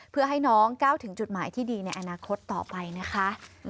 เพื่อให้น้องก้าวถึงจุดหมายที่ดีในอนาคตต่อไปนะคะ